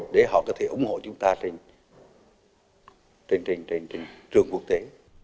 để họ có thể ủng hộ chúng ta trên trường quốc tế